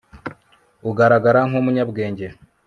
agaragara nk'umunyabwenge